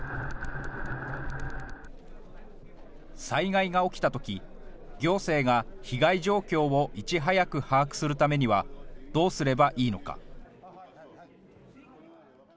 災害が起きたとき、行政が被害状況をいち早く把握するためにはどうすればいいのか。